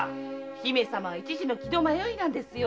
姫様は一時の気の迷いですよ。